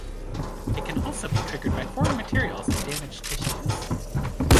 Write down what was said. It can also be triggered by foreign materials and damaged tissues.